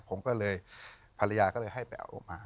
ผมก็เลยภรรยาก็เลยให้ไปเอาออกมา